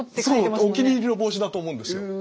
そうお気に入りの帽子だと思うんですよ。